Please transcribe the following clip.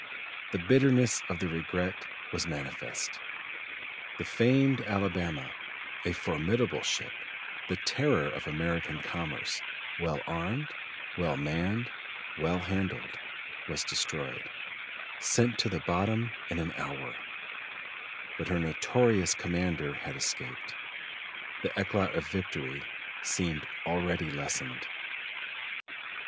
The bitterness of the regret was manifest. The famed Alabama, "a formidable ship, the terror of American commerce, well armed, well manned, well handled," was destroyed, "sent to the bottom in an hour," but her notorious commander had escaped: the eclat of victory seemed already lessened.